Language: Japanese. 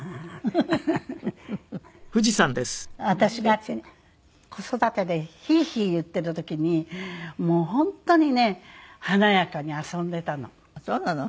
私が子育てでヒーヒー言ってる時にもう本当にね華やかに遊んでたの。